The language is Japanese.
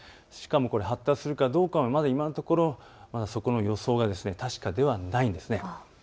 しかもこれ、発達するかどうか、今のところ、そこの予想が確かではないんです。